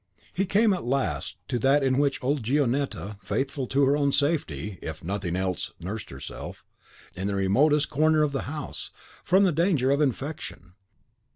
He came at last to that in which old Gionetta faithful to her own safety, if nothing else nursed herself, in the remotest corner of the house, from the danger of infection.